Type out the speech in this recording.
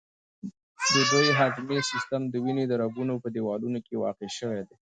دوی د هضمي سیستم، د وینې د رګونو په دیوالونو کې واقع شوي دي.